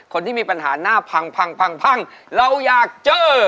คนที่มีปัญหาหน้าพังพังเราอยากเจอ